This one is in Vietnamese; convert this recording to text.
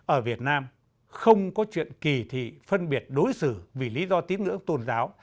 ở việt nam không có chuyện kỳ thị phân biệt đối xử vì lý do tín ngưỡng tôn giáo